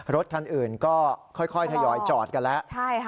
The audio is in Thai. รถขั้นอื่นก็ค่อยค่อยทยอยจอดกันแล้วใช่ค่ะ